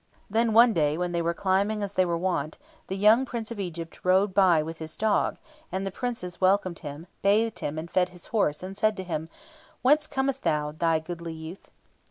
Then, one day when they were climbing as they were wont, the young Prince of Egypt rode by with his dog; and the Princes welcomed him, bathed him, and fed his horse, and said to him, "Whence comest thou, thou goodly youth?"